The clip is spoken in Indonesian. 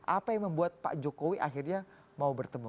apa yang membuat pak jokowi akhirnya mau bertemu